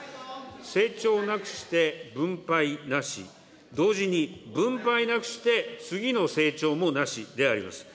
成長なくして分配なし、同時に分配なくして次の成長もなしであります。